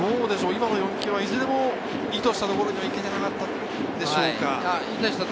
今の４球はいずれも意図したところにいかなかったでしょう。